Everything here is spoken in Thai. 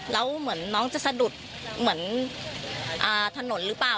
แล้วเหมือนน้องจะสะดุดเหมือนถนนหรือเปล่า